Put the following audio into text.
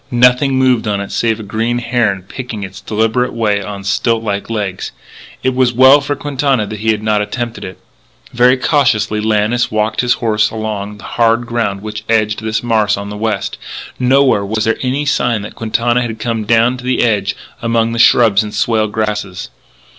Nothing moved on it save a great heron picking its deliberate way on stilt like legs. It was well for Quintana that he had not attempted it. Very cautiously Lannis walked his horse along the hard ground which edged this marsh on the west. Nowhere was there any sign that Quintana had come down to the edge among the shrubs and swale grasses.